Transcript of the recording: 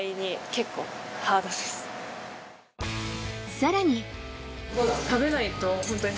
さらに。